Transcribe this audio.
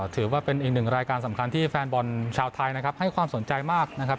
ถือว่าเป็นอีกหนึ่งรายการสำคัญที่แฟนบอลชาวไทยนะครับให้ความสนใจมากนะครับ